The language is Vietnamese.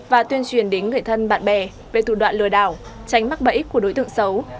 và tuyên truyền đến người thân bạn bè về thủ đoạn lừa đảo tránh mắc bẫy của đối tượng xấu